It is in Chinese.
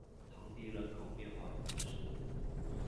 唐迪人口变化图示